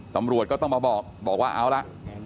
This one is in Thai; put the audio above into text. ตำรวจก็ต้องมาบอกบอกว่าเอาละ